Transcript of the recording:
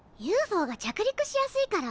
ＵＦＯが着陸しやすいから？